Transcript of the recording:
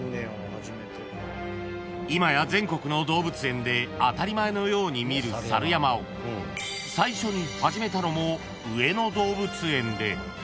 ［今や全国の動物園で当たり前のように見る猿山を最初に始めたのも上野動物園で］